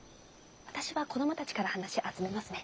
私は子供たちから話集めますね。